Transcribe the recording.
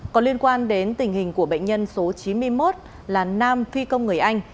còn liên quan đến tình hình của bệnh nhân số chín mươi một là nam phi công người anh